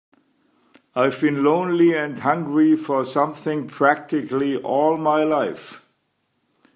I've been lonely and hungry for something practically all my life.